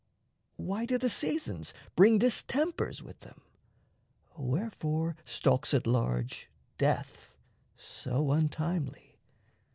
Why do the seasons bring Distempers with them? Wherefore stalks at large Death, so untimely?